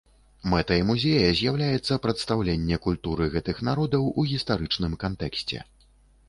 Мэтай музея з'яўляецца прадстаўленне культуры гэтых народаў у гістарычным кантэксце.